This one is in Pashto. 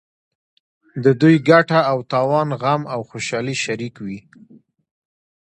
د دوی ګټه او تاوان غم او خوشحالي شریک وي.